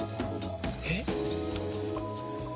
えっ？